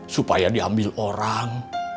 supaya diambil orang